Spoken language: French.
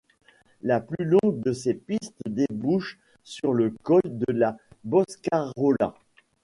La plus longue de ces pistes débouche sur le col de la Boscarola.